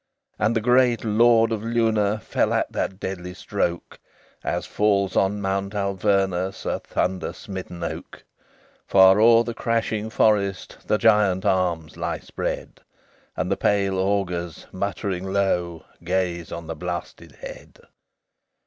XLVI And the great Lord of Luna Fell at that deadly stroke, As falls on Mount Alvernus A thunder smitten oak: Far o'er the crashing forest The giant arms lie spread; And the pale augurs, muttering low, Gaze on the blasted head.